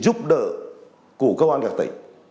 giúp đỡ của công an hà tĩnh